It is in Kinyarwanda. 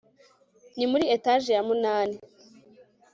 Ni muri etage ya munani